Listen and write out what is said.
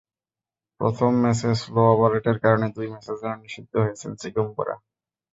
প্রথম ম্যাচে slow over রেটের কারণে দুই ম্যাচের জন্য নিষিদ্ধ হয়েছেন চিগুম্বুরা।